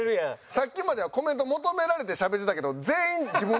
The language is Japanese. さっきまではコメント求められてしゃべってたけど。